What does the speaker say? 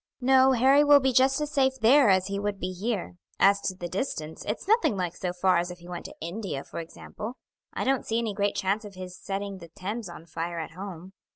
"No; Harry will be just as safe there as he would be here. As to the distance, it's nothing like so far as if he went to India, for example. I don't see any great chance of his setting the Thames on fire at home.